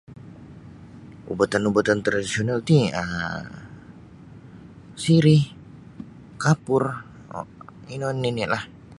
Ubatan-ubatan tradisional ti um sirih kapur um ino nini'lah.